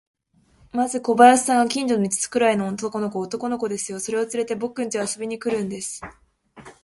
まず小林さんが、近所の五つくらいの男の子を、男の子ですよ、それをつれて、ぼくんちへ遊びに来るんです。